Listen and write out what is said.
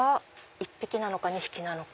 １匹なのか２匹なのか。